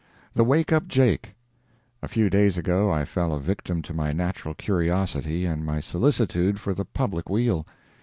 THE WAKE UP JAKE. A few days ago I fell a victim to my natural curiosity and my solicitude for the public weal.